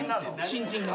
新人が。